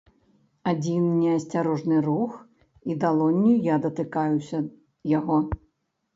Адзін неасцярожны рух, і далонню я датыкаюся яго.